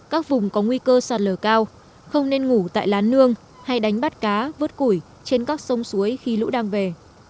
các vùng có nguy cơ sạt lở cao không nên ngủ tại lá nương hay đánh bắt cá vớt củi trên các sông suối khi lũ đang về